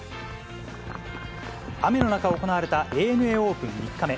雨の中、行われたＡＮＡオープン３日目。